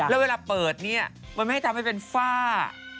แล้วเวลาเปิดเนี่ยมันไม่ทำให้เป็นฝ้า